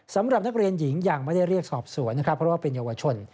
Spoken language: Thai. สำหรับนักเรียนหญิงยังไม่ได้เรียกสอบสวนนะครับเพราะว่าเป็นเยาวชน